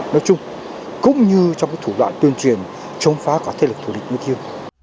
nói chung cũng như trong cái thủ đoạn tuyên truyền chống phá cả thế lực thủ địch như thiêu